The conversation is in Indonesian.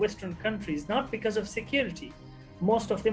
sebagian besar hidup di kota kota ini